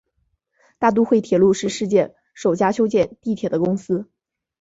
大都会铁路是世界首家修建地铁的公司。